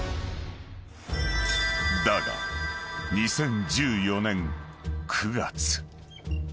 ［だが２０１４年９月］